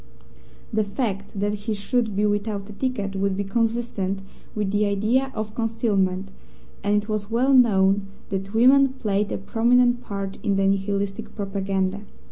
The fact that he should be without a ticket would be consistent with the idea of concealment, and it was well known that women played a prominent part in the Nihilistic propaganda.